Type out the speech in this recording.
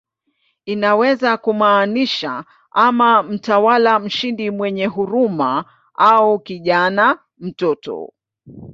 Inaweza kumaanisha ama "mtawala mshindi mwenye huruma" au "kijana, mtoto".